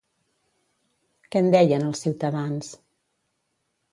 Què en deien els ciutadans?